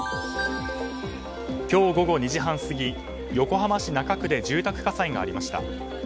今日午後２時半過ぎ横浜市中区で住宅火災がありました。